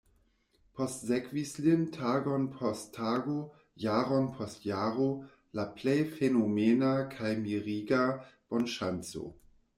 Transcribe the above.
Postsekvis lin, tagon post tago, jaron post jaro, la plej fenomena kaj miriga bonŝanco.